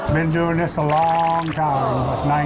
เราคนดูนี่นานมา๑๙ปี